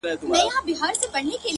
هره ناکامي د بل پیل پیغام دی